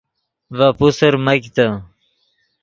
وو پوسر میگتے